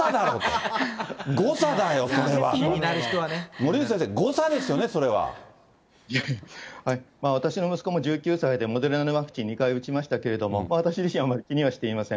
森内先生、いや、私の息子も１９歳でモデルナのワクチン２回打ちましたけれども、私自身、あまり気にはしていません。